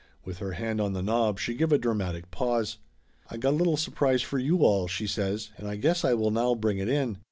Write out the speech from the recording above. With her hand on the knob she give a dra matic pause. "I got a little surprise for you all," she says, "and I guess I will now bring it in